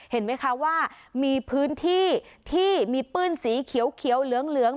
เห็นไหมคะว่ามีพื้นที่ที่มีปื้นสีเขียวเหลือง